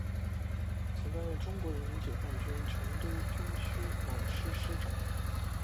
曾担任中国人民解放军成都军区某师师长。